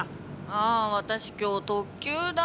あ私今日特急だ。